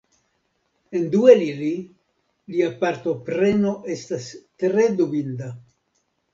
En du el ili, lia partopreno estas tre dubinda.